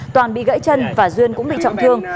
toàn bị gãy chân và duyên cũng bị trọng thương